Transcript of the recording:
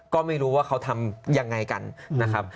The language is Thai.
ก็ไม่รู้ว่าเขาทำยังไงกันนะครับ